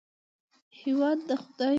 هېواد د خدای تر سیوري لاندې خوندي دی.